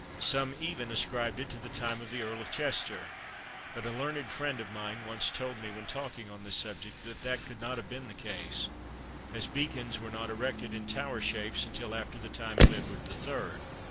Some even ascribed it to the time of the Earl of Chester; but a learned friend of mine once told me, when talking on this subject, that that could not have been the case, as Beacons were not erected in tower shapes until after the time of Edward the Third.